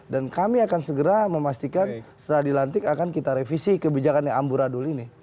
dan kami akan segera memastikan setelah dilantik akan kita revisi kebijakan yang amburaduli ini